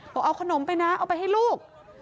บอกเอาขนมไปนะเอาไปให้ลูก